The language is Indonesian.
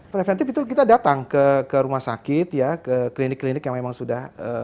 preventif itu kita datang ke rumah sakit ya ke klinik klinik yang memang sudah